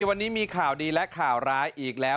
วันนี้มีข่าวดีและข่าวร้ายอีกแล้ว